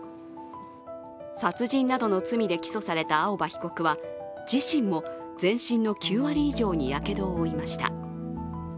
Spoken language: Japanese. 殺人などの罪で起訴された青葉被告は自身も全身の９割以上にやけどを負いました。